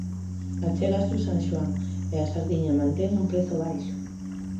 Achégase o San Xoán e a sardiña mantén un prezo baixo.